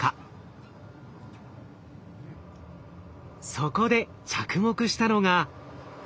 そこで着目したのが。